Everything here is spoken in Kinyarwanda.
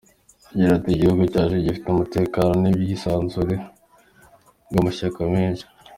Agira ati “Igihugu cyacu gifite umutekano n’ubwisanzure bw’amashyaka menshi.